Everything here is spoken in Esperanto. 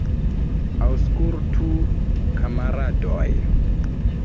Aŭskultu, kamaradoj!